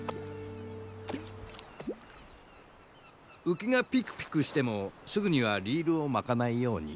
ウキがピクピクしてもすぐにはリールを巻かないように。